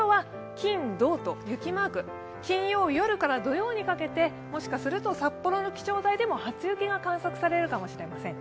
金曜夜から土曜にかけてもしかすると札幌の気象台でも初雪が観測されるかもしれません。